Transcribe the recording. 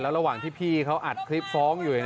ระหว่างที่พี่เขาอัดคลิปฟ้องอยู่